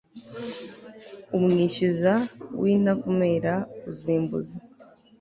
umwishyuza wintavumera uzimbuza